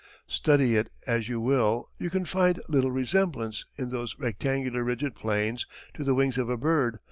Study it as you will you can find little resemblance in those rectangular rigid planes to the wings of a bird.